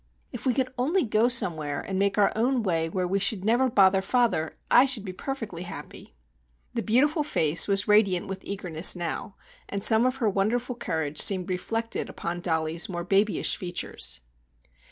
If we could only go somewhere and make our own way where we should never bother father, I should be perfectly happy!" The beautiful face was radiant with eagerness now, and some of her wonderful courage seemed reflected upon Dollie's more babyish features.